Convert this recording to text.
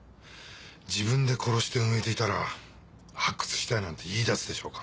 自分で殺して埋めていたら発掘したいなんて言いだすでしょうか。